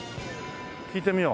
聞いてみよう。